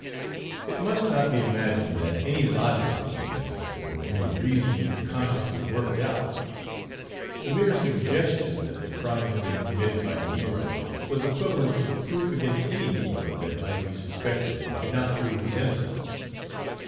It must not be imagined that any logic was needed, or any reasoning consciously worked out. The mere suggestion that the crime had been committed by a negro was equivalent to proof against any negro that might be suspected and could not prove his innocence.